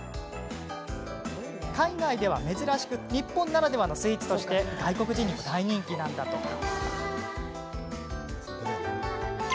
海外では珍しく日本ならではのスイーツとして外国人にも大人気なんだとか。